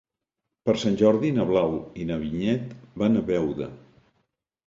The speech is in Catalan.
Per Sant Jordi na Blau i na Vinyet van a Beuda.